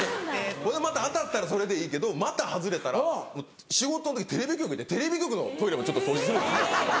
・外れるんだ・また当たったらそれでいいけどまた外れたら仕事の時テレビ局でテレビ局のトイレもちょっと掃除するんです。